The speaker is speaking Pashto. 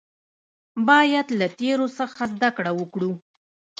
باید له تیرو څخه زده کړه وکړو